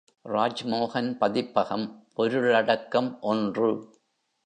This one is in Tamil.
ராஜ்மோகன் பதிப்பகம் பொருளடக்கம் ஒன்று.